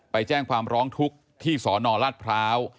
ไปแจ้งความร้องทุกข์ที่สนราชพร้าว